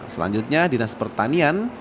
selanjutnya dinas pertanian